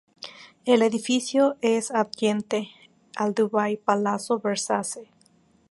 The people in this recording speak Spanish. El edificio es adyacente al Dubai Palazzo Versace.